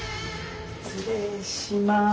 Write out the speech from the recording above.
失礼します。